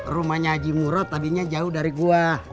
rumahnya aji muro tadinya jauh dari gua